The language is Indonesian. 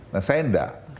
nah saya enggak